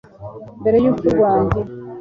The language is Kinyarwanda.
mbere y'urupfu rwanjye